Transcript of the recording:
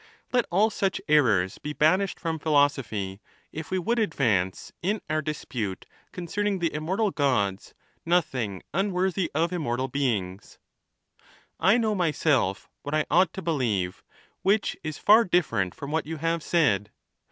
Let all such errors be banished from philosophy, if we would advance, in our dis pute concerning the immortal Gods, nothing unworthy of immortal beings. I know myself what I ought to believe ; which is far different from what you have said.